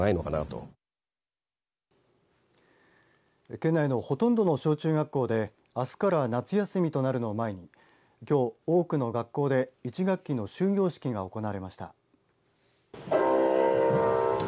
県内のほとんどの小中学校であすから夏休みとなるのを前にきょう、多くの学校で１学期の終業式が行われました。